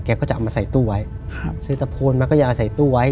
แกก็จะเอามาใส่ตู้ไว้ซื้อตะโพนมาก็จะเอาใส่ตู้ไว้